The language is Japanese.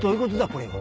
これは。